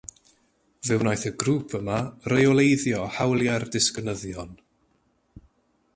Fe wnaeth y grŵp yma reoleiddio hawliadau'r disgynyddion.